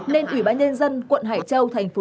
nên ubnd tp hải châu